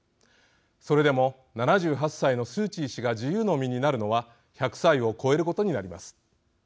それでも７８歳のスー・チー氏が自由の身になるのは１００歳を超えることになります。